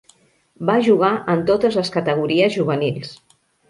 Va jugar en totes les categories juvenils.